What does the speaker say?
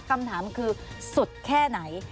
คำถามคือสุดแค่ไหน